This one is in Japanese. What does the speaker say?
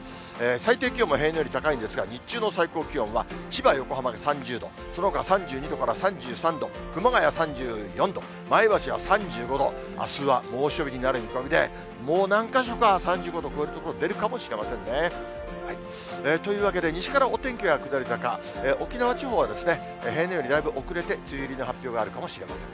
最低気温も平年より高いんですが、日中の最高気温は千葉、横浜が３０度、そのほか３２度から３３度、熊谷３４度、前橋は３５度、あすは猛暑日になる見込みで、もう何か所か３５度を超える所、出るかもしれませんね。というわけで西からお天気は下り坂、沖縄地方は平年よりだいぶ遅れて梅雨入りの発表があるかもしれません。